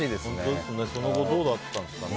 その後どうだったんですかね。